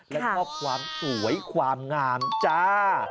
และชอบความสวยความงามจ้า